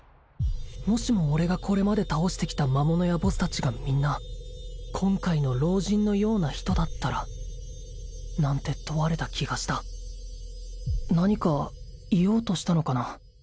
もしも俺がこれまで倒してきた魔物やボス達がみんな今回の老人のような人だったら？なんて問われた気がした何か言おうとしたのかな